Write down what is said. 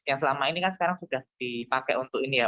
yang selama ini kan sekarang sudah dipakai untuk ini ya